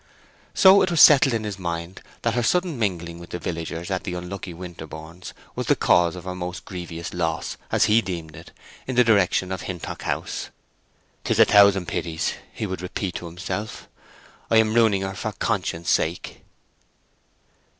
So it was settled in his mind that her sudden mingling with the villagers at the unlucky Winterborne's was the cause of her most grievous loss, as he deemed it, in the direction of Hintock House. "'Tis a thousand pities!" he would repeat to himself. "I am ruining her for conscience' sake!"